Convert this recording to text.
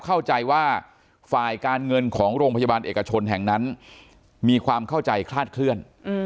เข้าใจว่าฝ่ายการเงินของโรงพยาบาลเอกชนแห่งนั้นมีความเข้าใจคลาดเคลื่อน